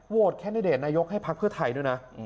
แคนดิเดตนายกให้พักเพื่อไทยด้วยนะ